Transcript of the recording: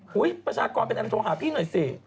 หุ้ยประชากรเป็นอะไรโทรหาพี่หน่อยสิ